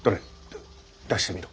だ出してみろ。